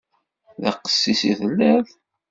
D aqessis i telliḍ?